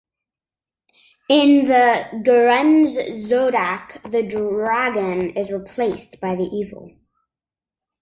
In the Gurung zodiac, the Dragon is replaced by the eagle.